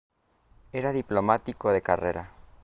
Era diplomático de carrera.